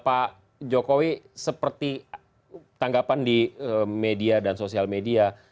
pak jokowi seperti tanggapan di media dan sosial media